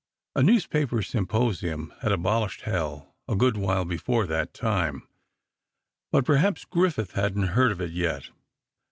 A newspaper symposium had abolished Hell a good while before that time, but perhaps Griffith hadn't heard of it yet.